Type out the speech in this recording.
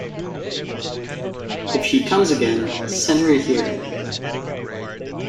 If she comes again, send her here.